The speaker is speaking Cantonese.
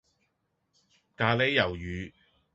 咖哩魷魚